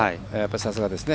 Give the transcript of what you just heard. さすがですね